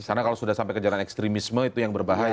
karena kalau sudah sampai ke jalan ekstremisme itu yang berbahaya